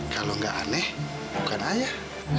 kalau nggak aneh bukan ayah